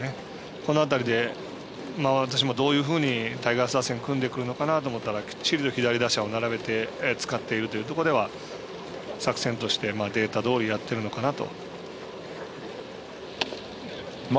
この辺りで私もどういうふうにタイガース打線組んでくるかと思ったらきっちり左打線を並べて使っているというところでは作戦としてデータどおりやってるのかなと。